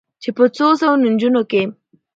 چې په څو سوو نجونو کې